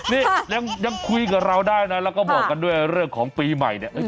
นี่ยังคุยกับเราได้นะแล้วก็บอกกันด้วยเรื่องของปีใหม่เนี่ย